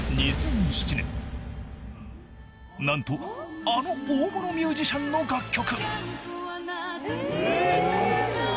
［何とあの大物ミュージシャンの楽曲］